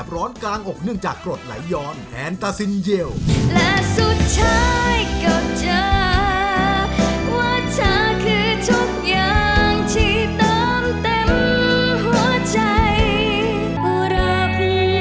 หรับหรือยังก็ยังไม่หลับ